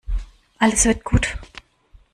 Alles wird gut.